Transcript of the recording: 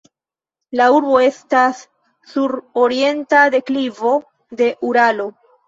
La urbo estas sur orienta deklivo de Uralo.